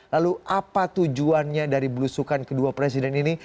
lalu apa tujuannya dari belusukan kedua presiden ini